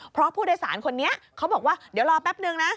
เพราะผู้โดยสารคนนี้เขาบอกว่าเดี๋ยวรอแป๊บนึงนะ